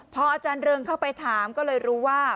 พออาจารย์เริงเข้าไปถามก็เลยรู้ว่า